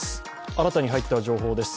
新たに入った情報です。